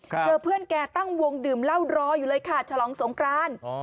เจอเพื่อนแกตั้งวงดื่มเหล้ารออยู่เลยค่ะฉลองสงคราน